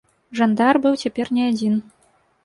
Жандар быў цяпер не адзін.